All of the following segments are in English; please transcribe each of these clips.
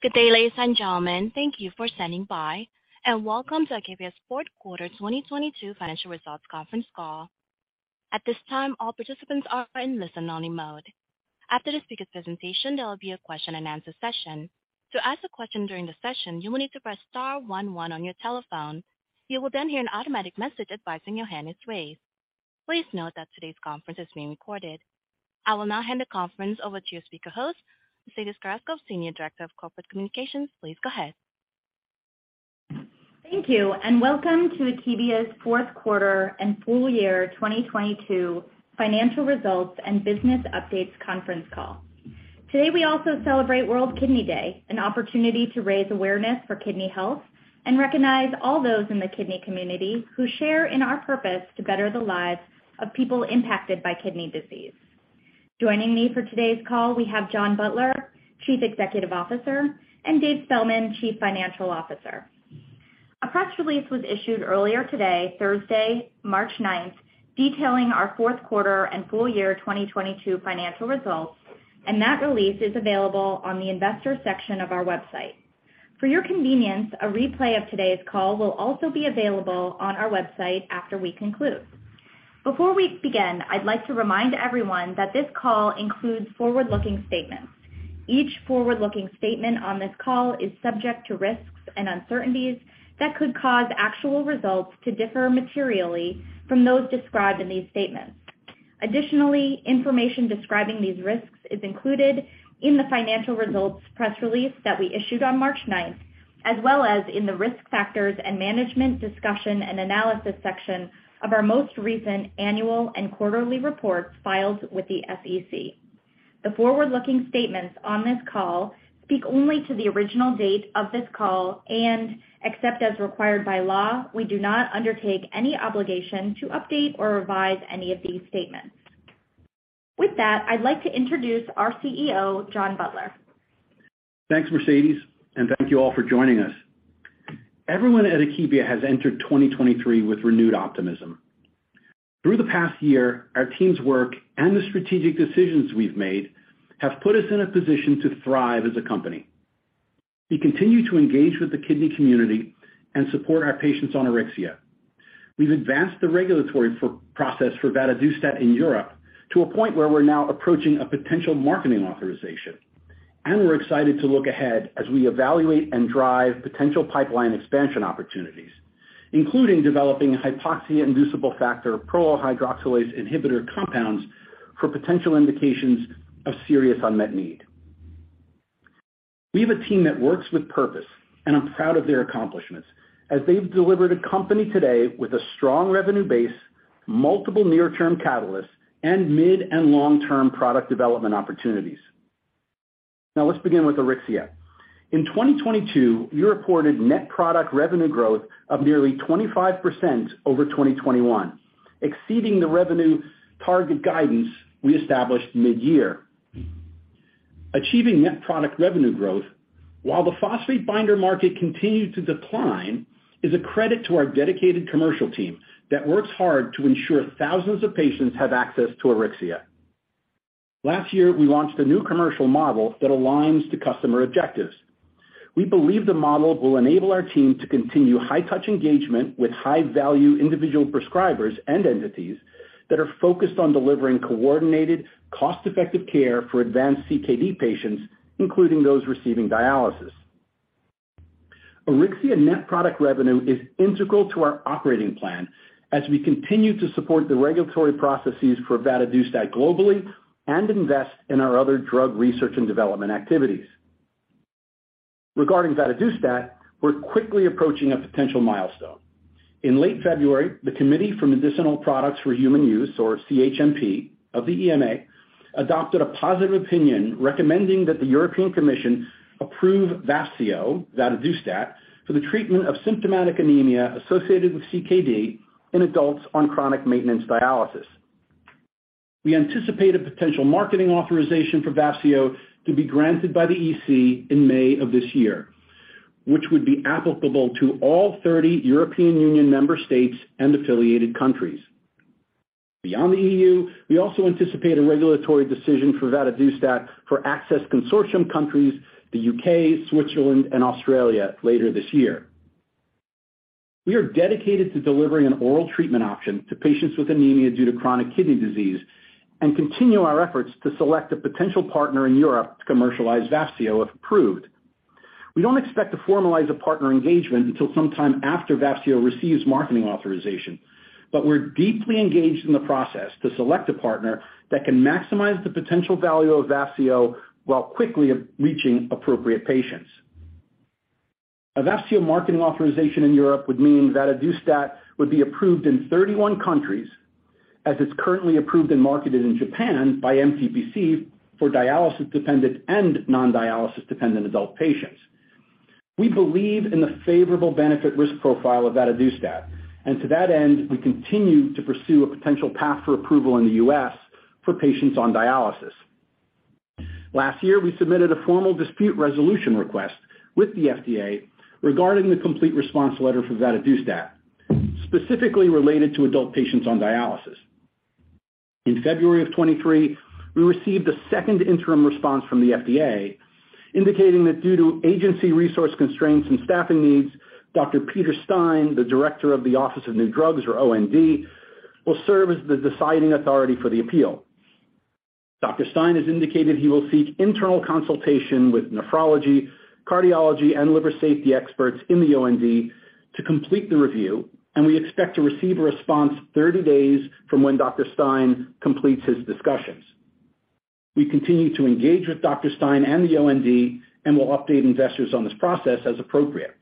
Good day, ladies and gentlemen. Thank you for standing by, and welcome to Akebia's fourth quarter 2022 financial results conference call. At this time, all participants are in listen-only mode. After the speaker presentation, there will be a question-and-answer session. To ask a question during the session, you will need to press star one one on your telephone. You will then hear an automatic message advising your hand is raised. Please note that today's conference is being recorded. I will now hand the conference over to your speaker host, Mercedes Carrasco, Senior Director of Corporate Communications. Please go ahead. Thank you, and welcome to Akebia's 4th quarter and full year 2022 financial results and business updates conference call. Today, we also celebrate World Kidney Day, an opportunity to raise awareness for kidney health and recognize all those in the kidney community who share in our purpose to better the lives of people impacted by kidney disease. Joining me for today's call, we have John Butler, Chief Executive Officer, and David Spellman, Chief Financial Officer. A press release was issued earlier today, Thursday, March 9th, detailing our 4th quarter and full year 2022 financial results. That release is available on the investor section of our website. For your convenience, a replay of today's call will also be available on our website after we conclude. Before we begin, I'd like to remind everyone that this call includes forward-looking statements. Each forward-looking statement on this call is subject to risks and uncertainties that could cause actual results to differ materially from those described in these statements. Information describing these risks is included in the financial results press release that we issued on March ninth, as well as in the Risk Factors and Management Discussion and Analysis section of our most recent annual and quarterly reports filed with the SEC. The forward-looking statements on this call speak only to the original date of this call. Except as required by law, we do not undertake any obligation to update or revise any of these statements. With that, I'd like to introduce our CEO, John Butler. Thanks, Mercedes. Thank you all for joining us. Everyone at Akebia has entered 2023 with renewed optimism. Through the past year, our team's work and the strategic decisions we've made have put us in a position to thrive as a company. We continue to engage with the kidney community and support our patients on Auryxia. We've advanced the regulatory for process for vadadustat in Europe to a point where we're now approaching a potential marketing authorization. We're excited to look ahead as we evaluate and drive potential pipeline expansion opportunities, including developing hypoxia-inducible factor prolyl hydroxylase inhibitor compounds for potential indications of serious unmet need. We have a team that works with purpose. I'm proud of their accomplishments as they've delivered a company today with a strong revenue base, multiple near-term catalysts, and mid- and long-term product development opportunities. Let's begin with Auryxia. In 2022, we reported net product revenue growth of nearly 25% over 2021, exceeding the revenue target guidance we established mid-year. Achieving net product revenue growth while the phosphate binder market continued to decline is a credit to our dedicated commercial team that works hard to ensure thousands of patients have access to Auryxia. Last year, we launched a new commercial model that aligns to customer objectives. We believe the model will enable our team to continue high-touch engagement with high-value individual prescribers and entities that are focused on delivering coordinated, cost-effective care for advanced CKD patients, including those receiving dialysis. Auryxia net product revenue is integral to our operating plan as we continue to support the regulatory processes for vadadustat globally and invest in our other drug research and development activities. Regarding vadadustat, we're quickly approaching a potential milestone. In late February, the Committee for Medicinal Products for Human Use, or CHMP, of the EMA adopted a positive opinion recommending that the European Commission approve Vafseo, vadadustat, for the treatment of symptomatic anemia associated with CKD in adults on chronic maintenance dialysis. We anticipate a potential marketing authorization for Vafseo to be granted by the EC in May of this year, which would be applicable to all 30 European Union member states and affiliated countries. Beyond the EU, we also anticipate a regulatory decision for vadadustat for Access Consortium countries, the UK, Switzerland, and Australia later this year. We are dedicated to delivering an oral treatment option to patients with anemia due to chronic kidney disease and continue our efforts to select a potential partner in Europe to commercialize Vafseo if approved. We don't expect to formalize a partner engagement until sometime after Vafseo receives marketing authorization. We're deeply engaged in the process to select a partner that can maximize the potential value of Vafseo while quickly reaching appropriate patients. A Vafseo marketing authorization in Europe would mean vadadustat would be approved in 31 countries as it's currently approved and marketed in Japan by MTPC for dialysis-dependent and non-dialysis dependent adult patients. We believe in the favorable benefit risk profile of vadadustat. To that end, we continue to pursue a potential path for approval in the U.S. for patients on dialysis. Last year, we submitted a formal dispute resolution request with the FDA regarding the complete response letter for vadadustat, specifically related to adult patients on dialysis. In February of 2023, we received a second interim response from the FDA indicating that due to agency resource constraints and staffing needs, Dr. Peter Stein, the Director of the Office of New Drugs, or OND, will serve as the deciding authority for the appeal. Dr. Stein has indicated he will seek internal consultation with nephrology, cardiology, and liver safety experts in the OND to complete the review. We expect to receive a response 30 days from when Dr. Stein completes his discussions. We continue to engage with Dr. Stein and the OND and will update investors on this process as appropriate.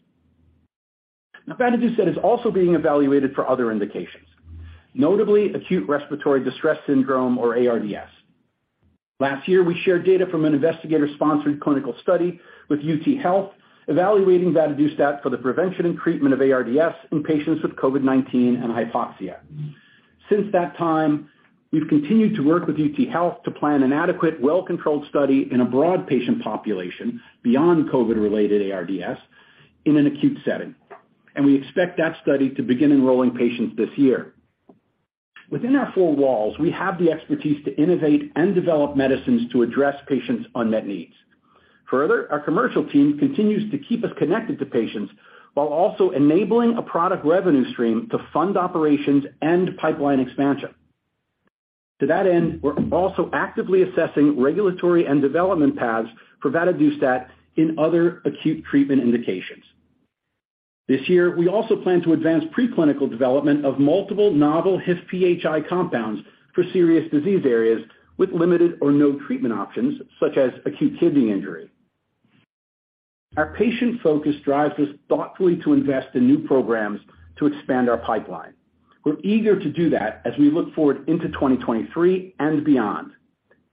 Vadadustat is also being evaluated for other indications, notably acute respiratory distress syndrome, or ARDS. Last year, we shared data from an investigator-sponsored clinical study with UTHealth evaluating vadadustat for the prevention and treatment of ARDS in patients with COVID-19 and hypoxia. Since that time, we've continued to work with UTHealth to plan an adequate, well-controlled study in a broad patient population beyond COVID-related ARDS in an acute setting, and we expect that study to begin enrolling patients this year. Within our four walls, we have the expertise to innovate and develop medicines to address patients' unmet needs. Further, our commercial team continues to keep us connected to patients while also enabling a product revenue stream to fund operations and pipeline expansion. To that end, we're also actively assessing regulatory and development paths for vadadustat in other acute treatment indications. This year, we also plan to advance preclinical development of multiple novel HIF-PHI compounds for serious disease areas with limited or no treatment options, such as acute kidney injury. Our patient focus drives us thoughtfully to invest in new programs to expand our pipeline. We're eager to do that as we look forward into 2023 and beyond.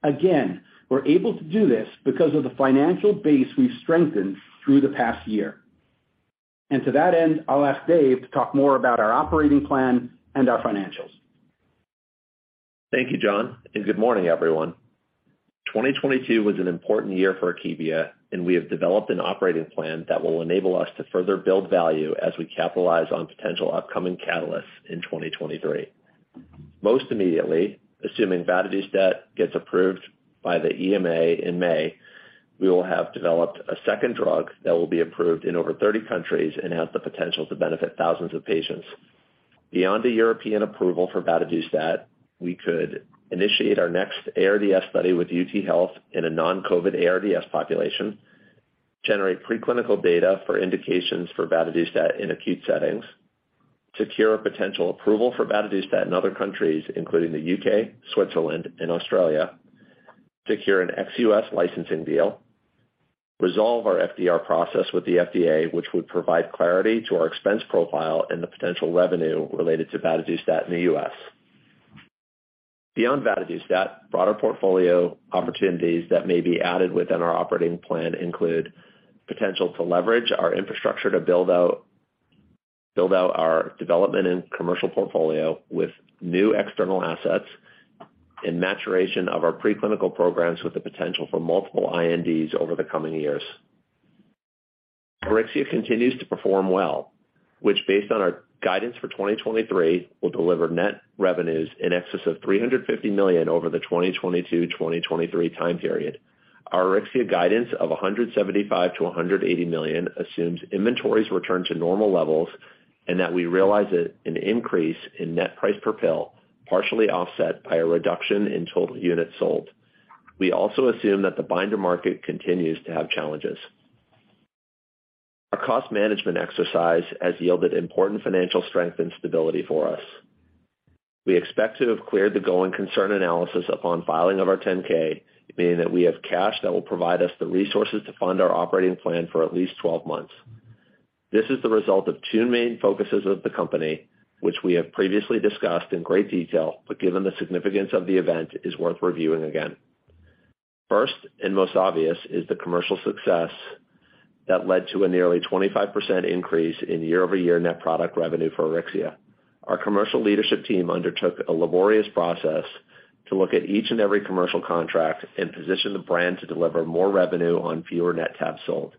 Again, we're able to do this because of the financial base we've strengthened through the past year. To that end, I'll ask Dave to talk more about our operating plan and our financials. Thank you, John, and good morning, everyone. 2022 was an important year for Akebia, and we have developed an operating plan that will enable us to further build value as we capitalize on potential upcoming catalysts in 2023. Most immediately, assuming vadadustat gets approved by the EMA in May, we will have developed a second drug that will be approved in over 30 countries and has the potential to benefit thousands of patients. Beyond the European approval for vadadustat, we could initiate our next ARDS study with UTHealth in a non-COVID ARDS population, generate preclinical data for indications for vadadustat in acute settings, secure a potential approval for vadadustat in other countries, including the U.K., Switzerland, and Australia, secure an ex-U.S. licensing deal, resolve our FDR process with the FDA, which would provide clarity to our expense profile and the potential revenue related to vadadustat in the U.S. Beyond vadadustat, broader portfolio opportunities that may be added within our operating plan include potential to leverage our infrastructure to build out our development and commercial portfolio with new external assets and maturation of our preclinical programs with the potential for multiple INDs over the coming years. Auryxia continues to perform well, which based on our guidance for 2023, will deliver net revenues in excess of $350 million over the 2022, 2023 time period. Our Auryxia guidance of $175 million-$180 million assumes inventories return to normal levels and that we realize it an increase in net price per pill, partially offset by a reduction in total units sold. We also assume that the binder market continues to have challenges. Our cost management exercise has yielded important financial strength and stability for us. We expect to have cleared the going concern analysis upon filing of our 10-K, meaning that we have cash that will provide us the resources to fund our operating plan for at least 12 months. This is the result of two main focuses of the company, which we have previously discussed in great detail, but given the significance of the event, is worth reviewing again. First, and most obvious, is the commercial success that led to a nearly 25% increase in year-over-year net product revenue for Auryxia. Our commercial leadership team undertook a laborious process to look at each and every commercial contract and position the brand to deliver more revenue on fewer net tabs sold.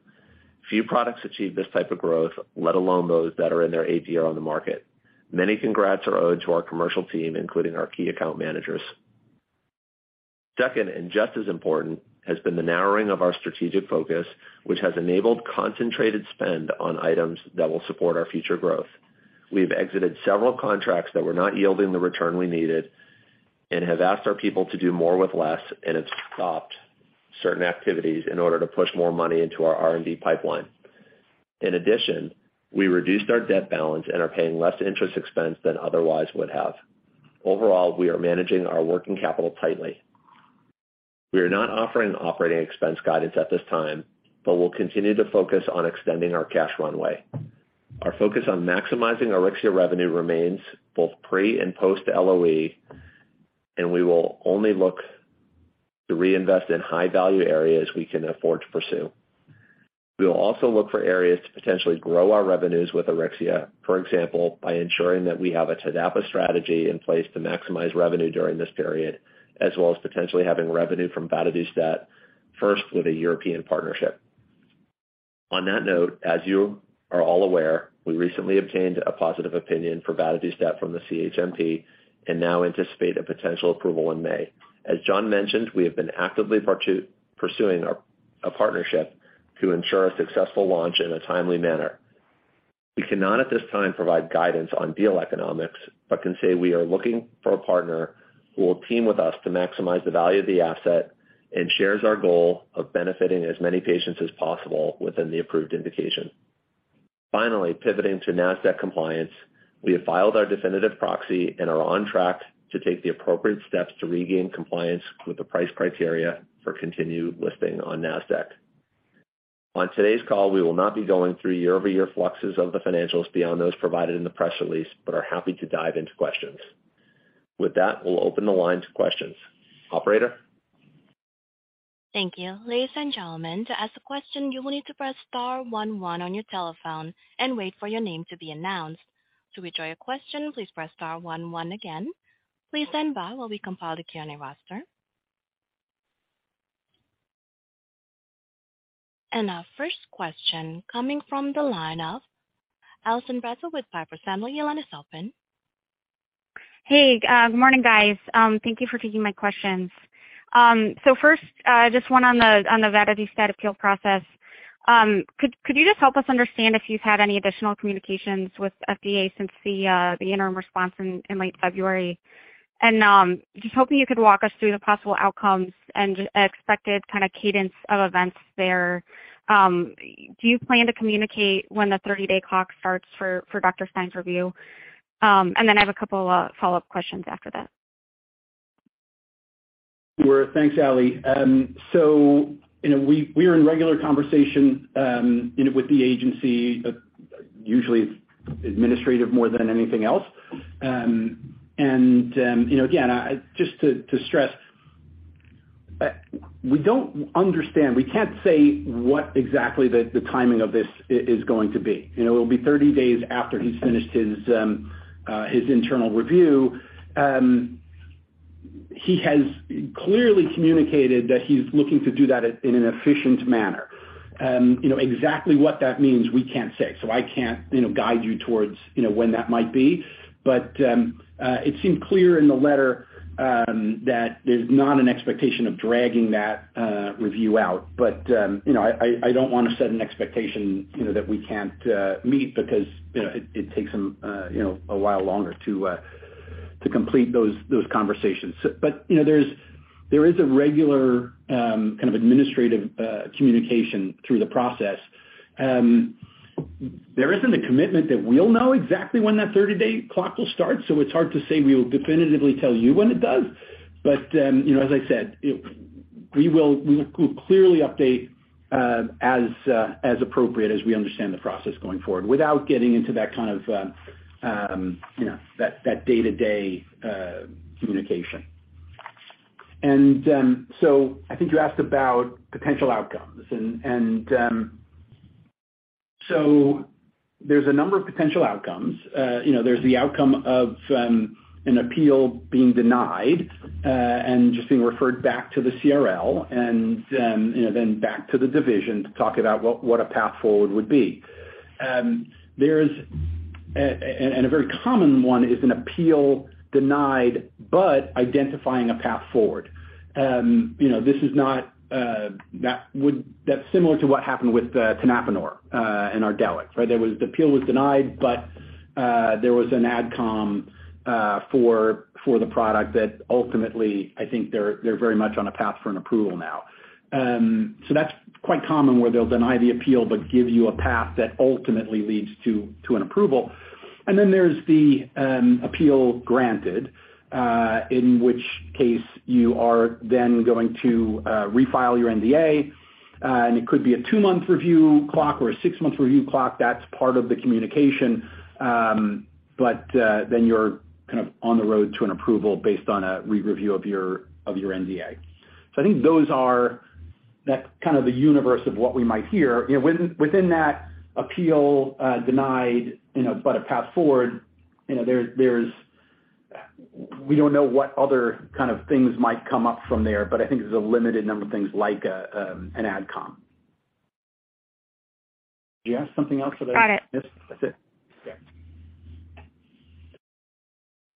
Few products achieve this type of growth, let alone those that are in their eighth year on the market. Many congrats are owed to our commercial team, including our key account managers. Second, and just as important, has been the narrowing of our strategic focus, which has enabled concentrated spend on items that will support our future growth. We've exited several contracts that were not yielding the return we needed and have asked our people to do more with less and have stopped certain activities in order to push more money into our R&D pipeline. In addition, we reduced our debt balance and are paying less interest expense than otherwise would have. Overall, we are managing our working capital tightly. We are not offering operating expense guidance at this time, but we'll continue to focus on extending our cash runway. Our focus on maximizing Auryxia revenue remains both pre and post LOE, and we will only look to reinvest in high-value areas we can afford to pursue. We will also look for areas to potentially grow our revenues with Auryxia, for example, by ensuring that we have a TDAPA strategy in place to maximize revenue during this period, as well as potentially having revenue from vadadustat, first with a European partnership. On that note, as you are all aware, we recently obtained a positive opinion for vadadustat from the CHMP and now anticipate a potential approval in May. As John mentioned, we have been actively pursuing a partnership to ensure a successful launch in a timely manner. We cannot at this time provide guidance on deal economics, but can say we are looking for a partner who will team with us to maximize the value of the asset and shares our goal of benefiting as many patients as possible within the approved indication. Pivoting to NASDAQ compliance, we have filed our definitive proxy and are on track to take the appropriate steps to regain compliance with the price criteria for continued listing on NASDAQ. On today's call, we will not be going through year-over-year fluxes of the financials beyond those provided in the press release, but are happy to dive into questions. With that, we'll open the line to questions. Operator? Thank you. Ladies and gentlemen, to ask a question, you will need to press star one one on your telephone and wait for your name to be announced. To withdraw your question, please press star one one again. Please stand by while we compile the Q&A roster. Our first question coming from the line of Allison Bratzel with Piper Sandler. Your line is open. Hey, good morning, guys. Thank you for taking my questions. First, just one on the vadadustat appeal process. Could you just help us understand if you've had any additional communications with FDA since the interim response in late February? Just hoping you could walk us through the possible outcomes and expected kind of cadence of events there. Do you plan to communicate when the 30-day clock starts for Dr. Stein's review? I have a couple of follow-up questions after that. Sure. Thanks, Allie. You know, we are in regular conversation with the agency, usually it's administrative more than anything else. and again, just to stress, we don't understand. We can't say what exactly the timing of this is going to be. You know, it will be 30 days after he's finished his internal review. He has clearly communicated that he's looking to do that in an efficient manner. You know, exactly what that means, we can't say. I can't guide you towards when that might be. It seemed clear in the letter, that there's not an expectation of dragging that review out. You know, I don't wanna set an expectation that we can't meet because it takes him a while longer to complete those conversations. You know, there's, there is a regular, kind of administrative, communication through the process. There isn't a commitment that we'll know exactly when that 30-day clock will start, so it's hard to say we will definitively tell you when it does. You know, as I said, we will, we will clearly update as appropriate as we understand the process going forward without getting into that kind of that day-to-day communication. I think you asked about potential outcomes. There's a number of potential outcomes. You know, there's the outcome of an appeal being denied and just being referred back to the CRL and then back to the division to talk about what a path forward would be. There's and a very common one is an appeal denied, but identifying a path forward. You know, this is not that's similar to what happened with tenapanor and Ardelyx, right? There was the appeal was denied, but there was an AdCom for the product that ultimately, I think they're very much on a path for an approval now. That's quite common where they'll deny the appeal, but give you a path that ultimately leads to an approval. There's the appeal granted, in which case you are then going to refile your NDA, and it could be a two-month review clock or a six-month review clock. That's part of the communication. Then you're kind of on the road to an approval based on a re-review of your NDA. I think that's kind of the universe of what we might hear. You know, within that appeal denied but a path forward there's we don't know what other kind of things might come up from there, but I think there's a limited number of things like an AdCom. Did you have something else that I- Got it. Yes. That's it. Yeah.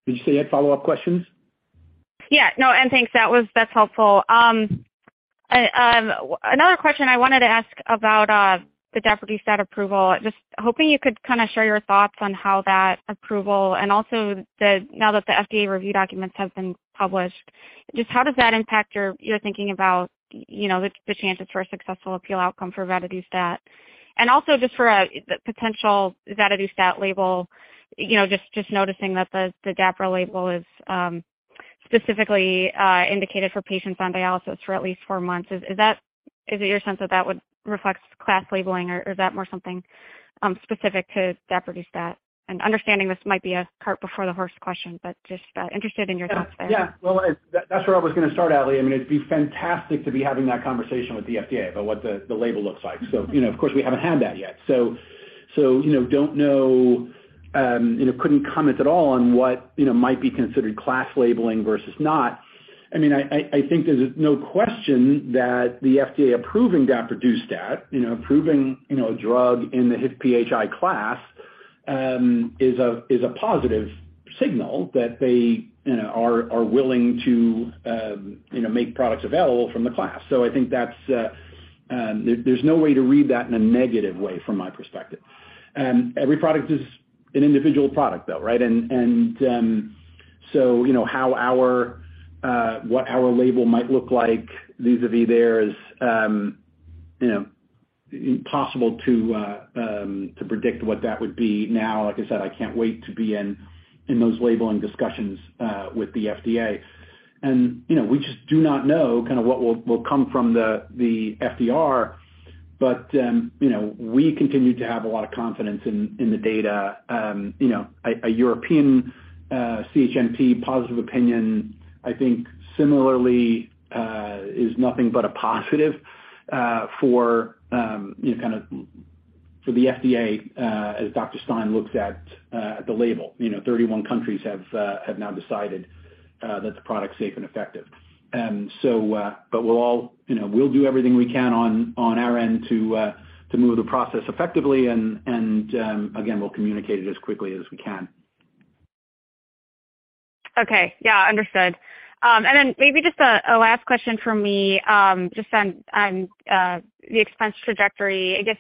Did you say you had follow-up questions? Yeah. No, thanks. That's helpful. Another question I wanted to ask about the dapagliflozin approval. Just hoping you could kind of share your thoughts on how that approval and also the, now that the FDA review documents have been published, just how does that impact your thinking about the chances for a successful appeal outcome for vadadustat? Also just for the potential vadadustat label just noticing that the dapagliflozin label is specifically indicated for patients on dialysis for at least four months. Is it your sense that that would reflect class labeling or is that more something specific to daprodustat? Understanding this might be a cart before the horse question, but just interested in your thoughts there. Well, that's where I was gonna start, Allie. I mean, it'd be fantastic to be having that conversation with the FDA about what the label looks like. You know, of course we haven't had that yet. so don't know couldn't comment at all on what might be considered class labeling versus not. I mean, I think there's no question that the FDA approving daprodustat approving a drug in the PHI class, is a, is a positive signal that they are willing to make products available from the class. I think that's there's no way to read that in a negative way from my perspective. Every product is an individual product though, right? You know, how our what our label might look like vis-a-vis there is impossible to predict what that would be now. Like I said, I can't wait to be in those labeling discussions with the FDA. You know, we just do not know kind of what will come from the FDA, but we continue to have a lot of confidence in the data. You know, a European CHMP positive opinion, I think similarly, is nothing but a positive for kind of for the FDA, as Dr. Stein looks at the label. You know, 31 countries have now decided that the product's safe and effective. We'll all we'll do everything we can on our end to move the process effectively. Again, we'll communicate it as quickly as we can. Okay. Yeah, understood. Maybe just a last question from me, just on the expense trajectory. I guess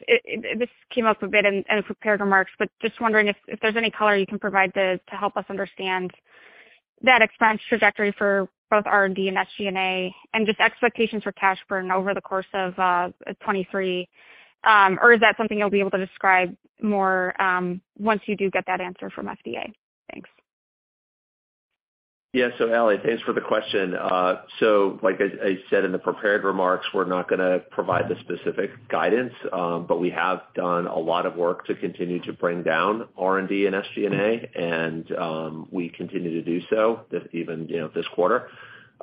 this came up a bit in prepared remarks, but just wondering if there's any color you can provide to help us understand that expense trajectory for both R&D and SG&A and just expectations for cash burn over the course of 2023. Is that something you'll be able to describe more, once you do get that answer from FDA? Thanks. Ali, thanks for the question. Like I said in the prepared remarks, we're not gonna provide the specific guidance, but we have done a lot of work to continue to bring down R&D and SG&A and we continue to do so even this quarter.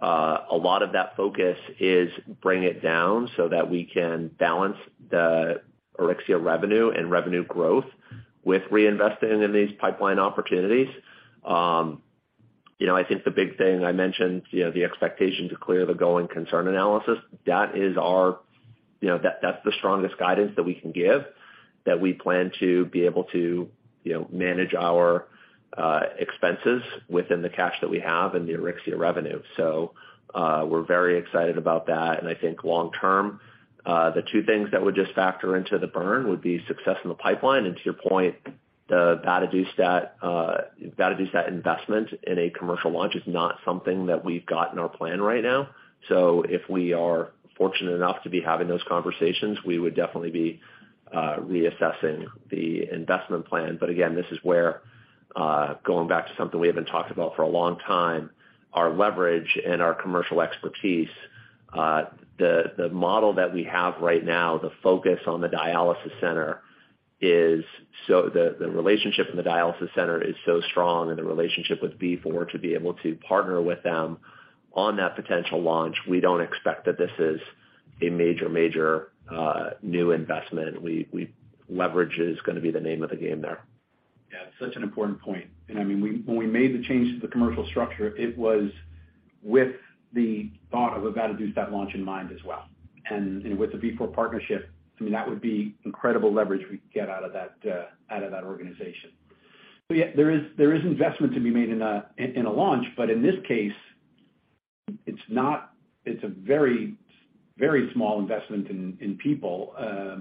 A lot of that focus is bring it down so that we can balance the Auryxia revenue and revenue growth with reinvesting in these pipeline opportunities. You know, I think the big thing I mentioned the expectation to clear the going concern analysis, that is our that's the strongest guidance that we can give, that we plan to be able to manage our expenses within the cash that we have and the Auryxia revenue. We're very excited about that. I think long term, the two things that would just factor into the burn would be success in the pipeline. To your point, the vadadustat investment in a commercial launch is not something that we've got in our plan right now. If we are fortunate enough to be having those conversations, we would definitely be reassessing the investment plan. Again, this is where, going back to something we haven't talked about for a long time, our leverage and our commercial expertise, the model that we have right now, the focus on the dialysis center is so the relationship in the dialysis center is so strong and the relationship with Vifor to be able to partner with them on that potential launch, we don't expect that this is a major new investment. We leverage is gonna be the name of the game there. Yeah, it's such an important point. I mean, when we made the change to the commercial structure, it was with the thought of a vadadustat launch in mind as well. You know, with the Vifor partnership, I mean, that would be incredible leverage we could get out of that, out of that organization. Yeah, there is investment to be made in a launch, but in this case, it's a very, very small investment in people a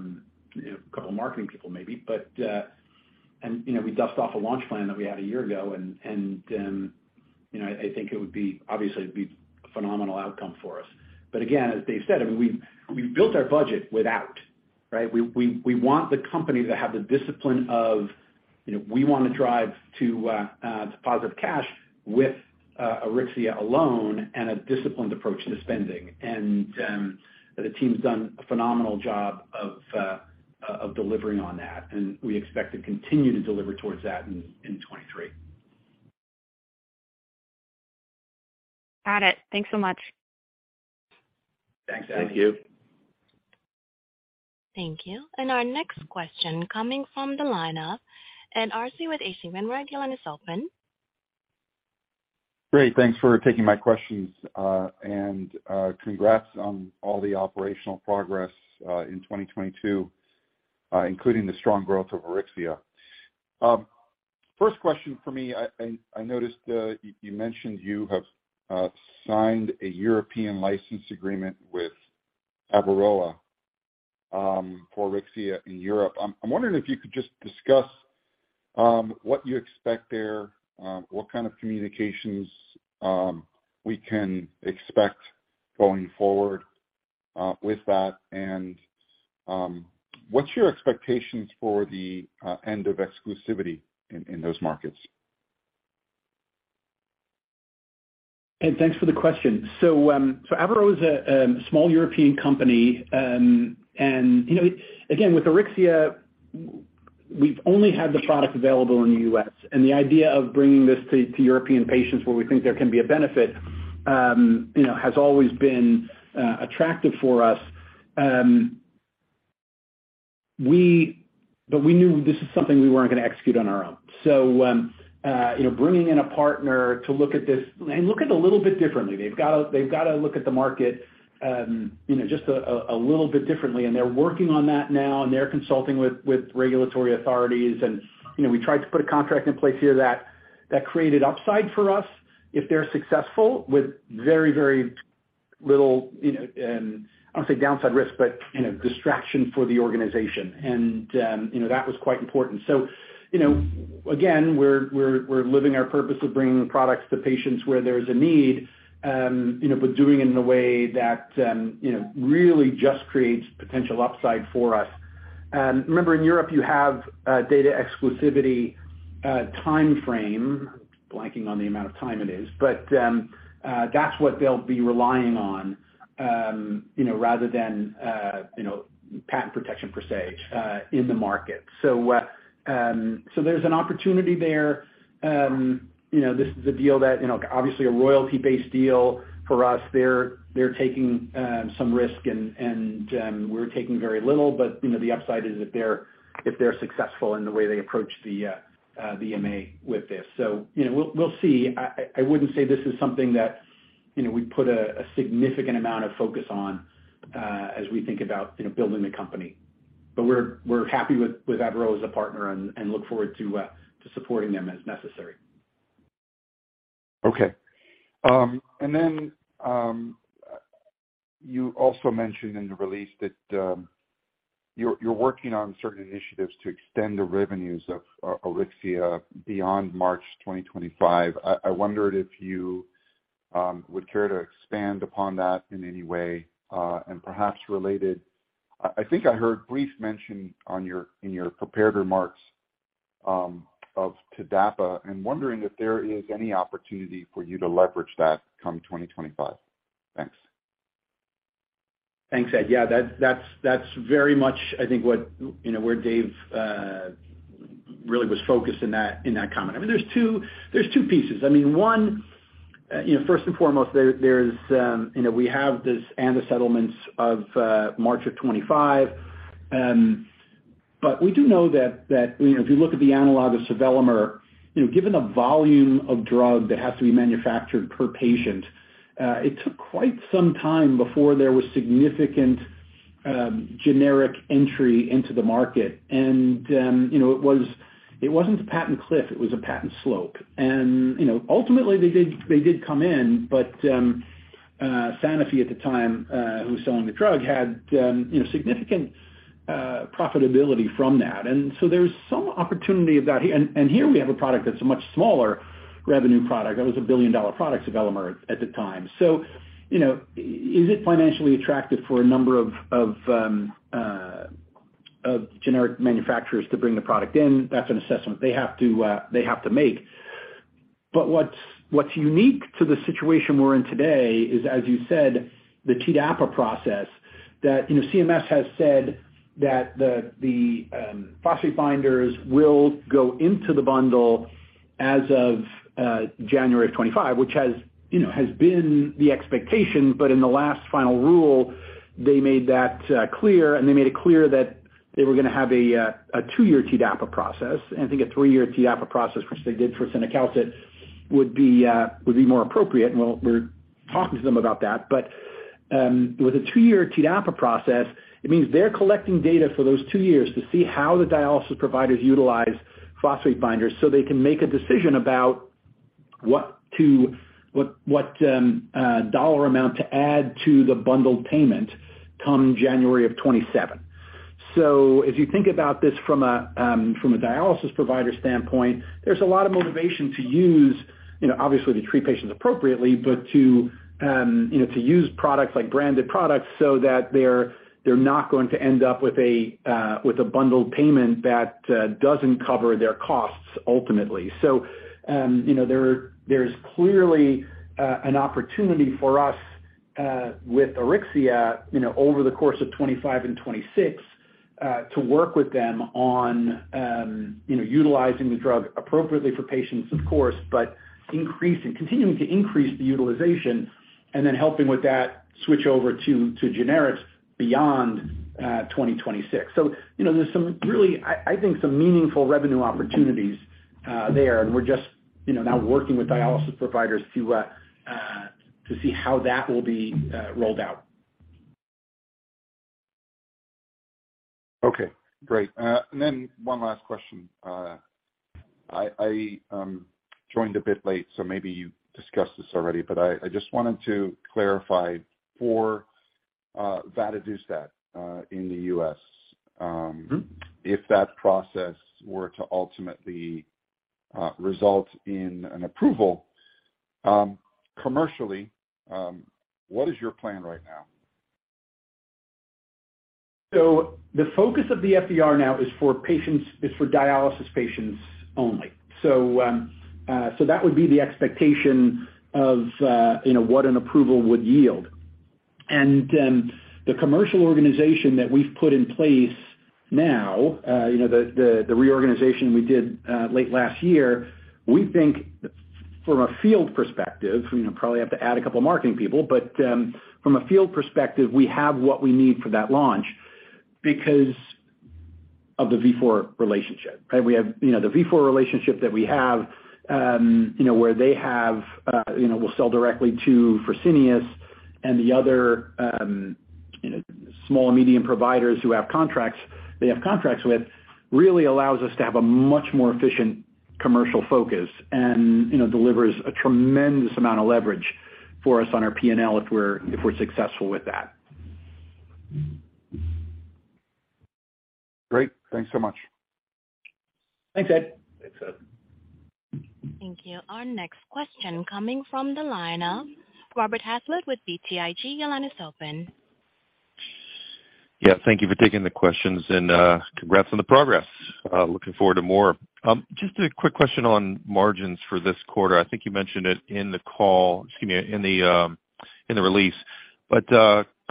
couple of marketing people maybe. You know, we dust off a launch plan that we had a year ago and I think it would obviously be a phenomenal outcome for us. Again, as Dave said, I mean, we've built our budget without, right? We want the company to have the discipline of we wanna drive to positive cash with Auryxia alone and a disciplined approach to spending. The team's done a phenomenal job of delivering on that, and we expect to continue to deliver towards that in 2023. Got it. Thanks so much. Thanks, Ali. Thank you. Thank you. Our next question coming from the line of Ed Arce with H.C. Wainwright, your line is open. Great. Thanks for taking my questions. Congrats on all the operational progress in 2022, including the strong growth of Auryxia. First question for me, I noticed you mentioned you have signed a European license agreement with Averoa, for Auryxia in Europe. I'm wondering if you could just discuss what you expect there, what kind of communications we can expect going forward, with that? What's your expectations for the end of exclusivity in those markets? Thanks for the question. Averoa is a small European company. You know, again, with Auryxia, we've only had the product available in the U.S., and the idea of bringing this to European patients where we think there can be a benefit. You know, has always been attractive for us. We knew this is something we weren't gonna execute on our own. You know, bringing in a partner to look at this and look at a little bit differently. They've gotta look at the market just a little bit differently. They're working on that now, and they're consulting with regulatory authorities. You know, we tried to put a contract in place here that created upside for us if they're successful with very, very little I don't wanna say downside risk, but distraction for the organization. You know, that was quite important. You know, again, we're, we're living our purpose of bringing the products to patients where there's a need but doing it in a way that really just creates potential upside for us. Remember, in Europe, you have data exclusivity timeframe. Blanking on the amount of time it is, but that's what they'll be relying on rather than patent protection per se, in the market. There's an opportunity there. This is a deal that obviously a royalty-based deal for us. They're, they're taking some risk and we're taking very little, but the upside is if they're, if they're successful in the way they approach the MA with this. you know, we'll see. I wouldn't say this is something that we put a significant amount of focus on as we think about building the company. We're, we're happy with Aduro as a partner and look forward to supporting them as necessary. Okay. Then, you're working on certain initiatives to extend the revenues of Auryxia beyond March 2025. I wondered if you would care to expand upon that in any way? Perhaps related, I think I heard brief mention in your prepared remarks, of TDAPA. I'm wondering if there is any opportunity for you to leverage that come 2025. Thanks. Thanks, Ed. Yeah, that's very much, I think, what where Dave really was focused in that, in that comment. I mean, there's two pieces. I mean, one first and foremost there's we have this ANDA settlements of March of 2025. We do know that if you look at the analog of sevelamer given the volume of drug that has to be manufactured per patient, it took quite some time before there was significant generic entry into the market. You know, it wasn't a patent cliff, it was a patent slope. You know, ultimately they did come in, but Sanofi at the time, who was selling the drug had significant profitability from that. There's some opportunity of that. Here we have a product that's a much smaller revenue product. That was a billion-dollar product, sevelamer, at the time. You know, is it financially attractive for a number of generic manufacturers to bring the product in? That's an assessment they have to, they have to make. What's unique to the situation we're in today is, as you said, the TDAPA process that CMS has said that the phosphate binders will go into the bundle as of January of 2025, which has has been the expectation. In the last final rule, they made that clear, and they made it clear that they were gonna have a two-year TDAPA process. I think a three-year TDAPA process, which they did for Sensipar, would be more appropriate. We're talking to them about that. With a two-year TDAPA process, it means they're collecting data for those two years to see how the dialysis providers utilize phosphate binders, so they can make a decision about what dollar amount to add to the bundled payment come January of 2027. If you think about this from a dialysis provider standpoint, there's a lot of motivation to use obviously to treat patients appropriately. to to use products like branded products so that they're not going to end up with a bundled payment that doesn't cover their costs ultimately. You know, there's clearly an opportunity for us with auryxia over the course of 2025 and 2026 to work with them on utilizing the drug appropriately for patients of course, but continuing to increase the utilization and then helping with that switch over to generics beyond 2026. You know, there's some really, I think, some meaningful revenue opportunities there. We're just now working with dialysis providers to see how that will be rolled out. Okay, great. Then one last question. I joined a bit late, so maybe you discussed this already, but I just wanted to clarify for vadadustat in the U.S. Mm-hmm. If that process were to ultimately result in an approval, commercially, what is your plan right now? The focus of the FDR now is for dialysis patients only. That would be the expectation of what an approval would yield. The commercial organization that we've put in place now the reorganization we did late last year, we think from a field perspective, we probably have to add a couple marketing people, but from a field perspective, we have what we need for that launch because of the Vifor relationship, right? We have the Vifor relationship that we have where they have will sell directly to Fresenius and the other small and medium providers who they have contracts with, really allows us to have a much more efficient commercial focus and delivers a tremendous amount of leverage for us on our P&L if we're successful with that. Great. Thanks so much. Thanks, Ed. Thanks, Ed. Thank you. Our next question coming from the line of Robert Hazlett with BTIG. Your line is open. Thank you for taking the questions. Congrats on the progress. Looking forward to more. Just a quick question on margins for this quarter. I think you mentioned it in the release.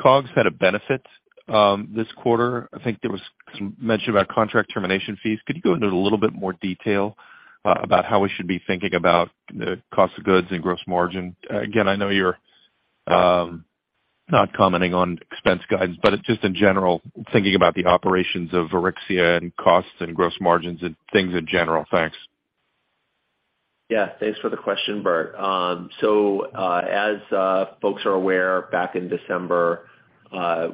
COGS had a benefit this quarter. I think there was some mention about contract termination fees. Could you go into a little bit more detail about how we should be thinking about the cost of goods and gross margin? I know you're not commenting on expense guides, but it's just in general thinking about the operations of Auryxia and costs and gross margins and things in general. Thanks. Yeah. Thanks for the question, Bert. As folks are aware, back in December,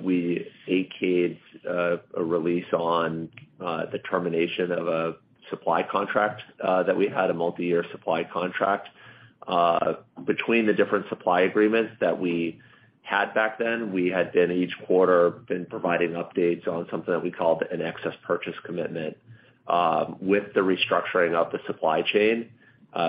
we issued a release on the termination of a supply contract that we had a multi-year supply contract between the different supply agreements that we had back then. We had been, each quarter, providing updates on something that we called an excess purchase commitment. With the restructuring of the supply chain,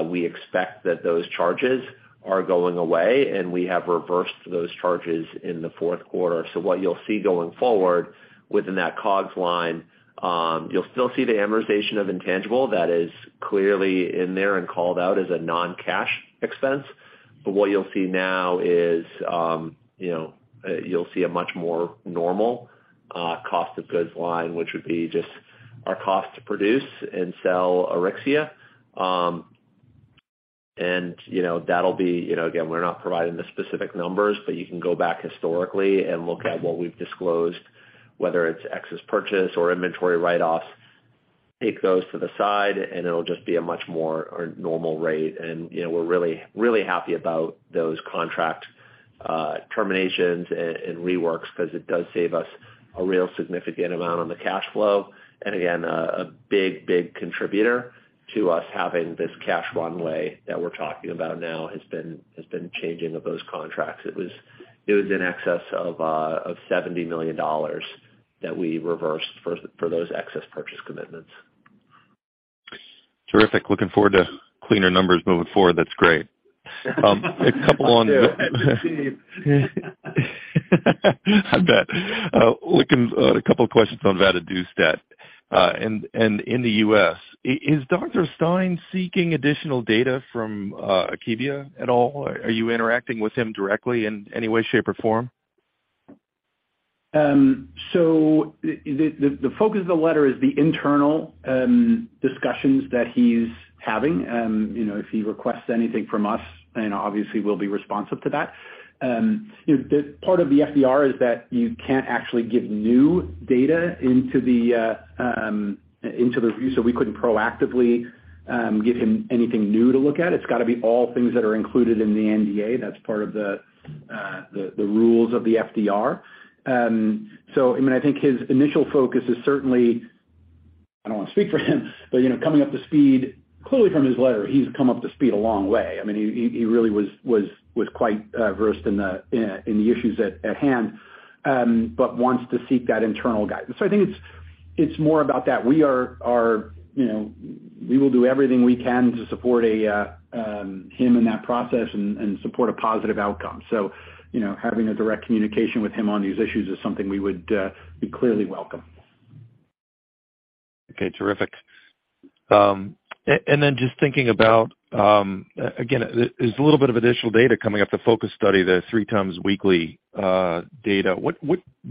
we expect that those charges are going away, and we have reversed those charges in the fourth quarter. What you'll see going forward within that COGS line, you'll still see the amortization of intangible that is clearly in there and called out as a non-cash expense. What you'll see now is you'll see a much more normal cost of goods line, which would be just our cost to produce and sell Auryxia. You know, that'll be again, we're not providing the specific numbers, but you can go back historically and look at what we've disclosed, whether it's excess purchase or inventory write-offs, take those to the side and it'll just be a much more normal rate. You know, we're really happy about those contract terminations and reworks because it does save us a real significant amount on the cash flow. Again, a big contributor to us having this cash runway that we're talking about now has been changing of those contracts. It was in excess of $70 million that we reversed for those excess purchase commitments. Terrific. Looking forward to cleaner numbers moving forward. That's great. Us too. I bet. A couple of questions on vadadustat, and in the U.S. Is Dr. Stein seeking additional data from Akebia at all? Are you interacting with him directly in any way, shape, or form? The focus of the letter is the internal discussions that he's having. You know, if he requests anything from us and obviously we'll be responsive to that. You know, the part of the FDR is that you can't actually give new data into the review, so we couldn't proactively give him anything new to look at. It's got to be all things that are included in the NDA. That's part of the rules of the FDR. I mean, I think his initial focus is certainly, I don't want to speak for him, but coming up to speed. Clearly from his letter, he's come up to speed a long way. I mean, he really was quite versed in the in the issues at hand, but wants to seek that internal guidance. I think it's more about that. We are we will do everything we can to support a him in that process and support a positive outcome. You know, having a direct communication with him on these issues is something we would be clearly welcome. Okay. Terrific. Just thinking about, again, there's a little bit of additional data coming up, the FOCUS study, the three times weekly, data. What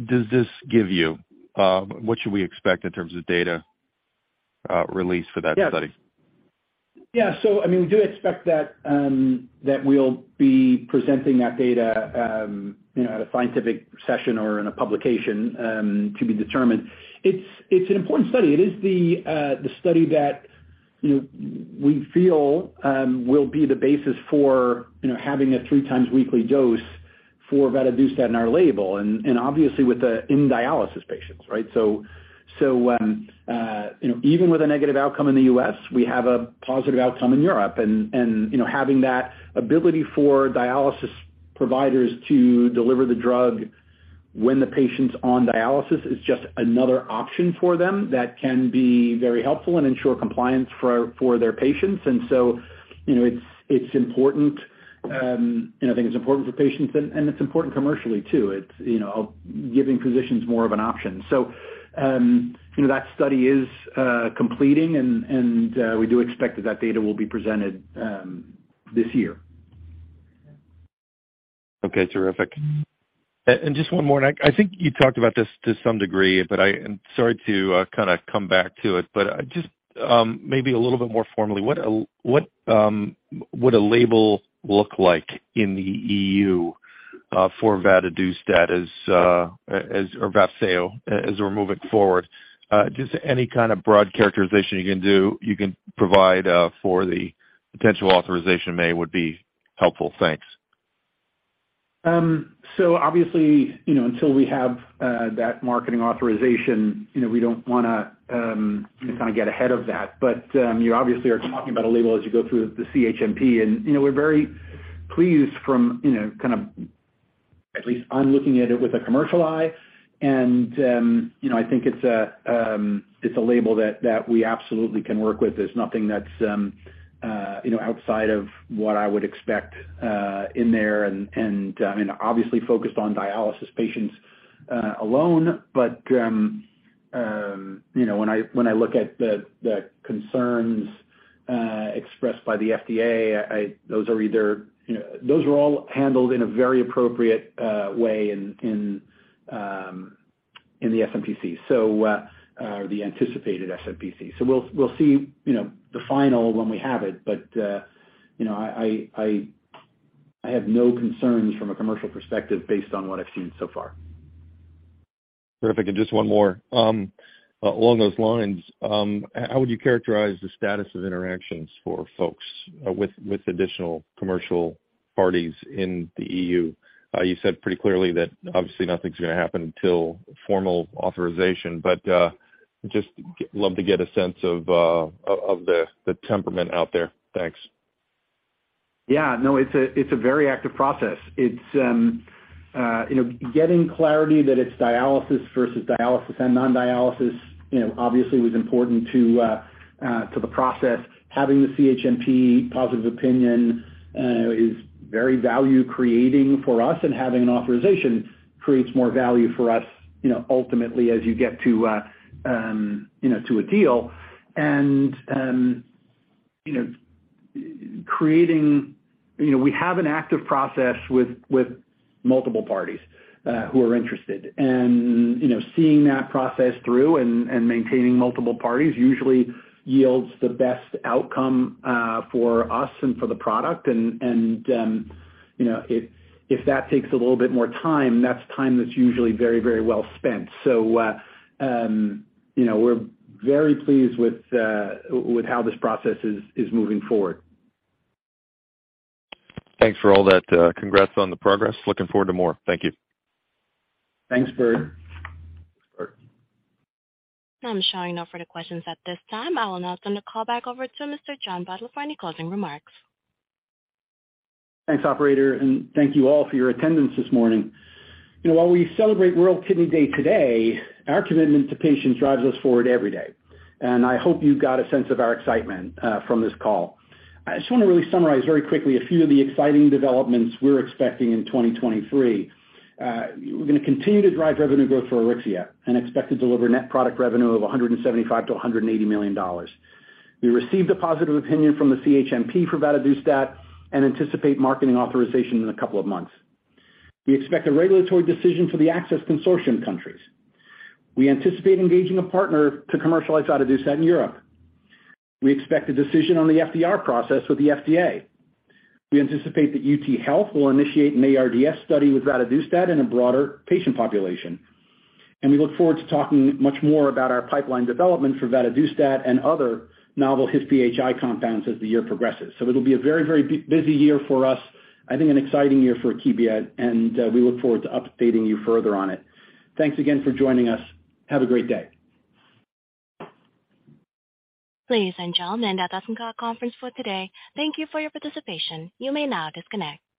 does this give you? What should we expect in terms of data, release for that study? Yeah. I mean, we do expect that we'll be presenting that data at a scientific session or in a publication, to be determined. It's an important study. It is the study that we feel will be the basis for having a three times weekly dose for vadadustat in our label and obviously with the in dialysis patients, right? You know, even with a negative outcome in the U.S., we have a positive outcome in Europe and having that ability for dialysis providers to deliver the drug when the patient's on dialysis is just another option for them that can be very helpful and ensure compliance for their patients. You know, it's important. I think it's important for patients and it's important commercially too. it's giving physicians more of an option. You know, that study is completing and we do expect that that data will be presented this year. Okay, terrific. Just one more. I think you talked about this to some degree, but I am sorry to kind of come back to it, but just maybe a little bit more formally, what would a label look like in the EU for vadadustat as or Vafseo as we're moving forward? Just any kind of broad characterization you can do, you can provide for the potential authorization may would be helpful. Thanks. obviously until we have that marketing authorization we don't wanna kind of get ahead of that. You obviously are talking about a label as you go through the CHMP and we're very pleased from kind of at least I'm looking at it with a commercial eye and I think it's a label that we absolutely can work with. There's nothing that's outside of what I would expect in there and, I mean, obviously focused on dialysis patients alone. You know, when I look at the concerns expressed by the FDA, I, those are either those are all handled in a very appropriate way in the SMPC. The anticipated SMPC. We'll see the final when we have it, but I have no concerns from a commercial perspective based on what I've seen so far. Terrific. Just one more. Along those lines, how would you characterize the status of interactions for folks with additional commercial parties in the EU? You said pretty clearly that obviously nothing's gonna happen until formal authorization, but just love to get a sense of the temperament out there. Thanks. Yeah, no, it's a very active process. it's getting clarity that it's dialysis versus dialysis and non-dialysis obviously was important to the process. Having the CHMP positive opinion is very value-creating for us, and having an authorization creates more value for us ultimately as you get to to a deal. You know, creating. You know, we have an active process with multiple parties who are interested. You know, seeing that process through and maintaining multiple parties usually yields the best outcome for us and for the product. You know, if that takes a little bit more time, that's time that's usually very, very well spent. We're very pleased with how this process is moving forward. Thanks for all that. Congrats on the progress. Looking forward to more. Thank you. Thanks, Bert. I'm showing no further questions at this time. I will now turn the call back over to Mr. John Butler for any closing remarks. Thanks, operator, and thank you all for your attendance this morning. You know, while we celebrate World Kidney Day today, our commitment to patients drives us forward every day, and I hope you've got a sense of our excitement from this call. I just wanna really summarize very quickly a few of the exciting developments we're expecting in 2023. We're gonna continue to drive revenue growth for Auryxia and expect to deliver net product revenue of $175 million-$180 million. We received a positive opinion from the CHMP for vadadustat and anticipate marketing authorization in a couple of months. We expect a regulatory decision for the Access Consortium countries. We anticipate engaging a partner to commercialize vadadustat in Europe. We expect a decision on the FDR process with the FDA. We anticipate that UTHealth will initiate an ARDS study with vadadustat in a broader patient population. We look forward to talking much more about our pipeline development for vadadustat and other novel HIF-PHI compounds as the year progresses. It'll be a very, very busy year for us, I think an exciting year for Akebia, we look forward to updating you further on it. Thanks again for joining us. Have a great day. Ladies and gentlemen, that does end our conference for today. Thank you for your participation. You may now disconnect.